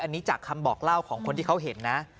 อันนี้จากคำบอกเล่าของคนที่เขาเห็นนะ